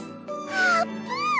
あーぷん！